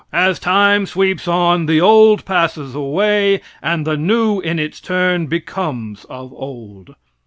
As time sweeps on the old passes away and the new in its turn becomes of old.